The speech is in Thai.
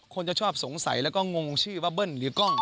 คนจะชอบสงสัยแล้วก็งงชื่อว่าเบิ้ลหรือกล้อง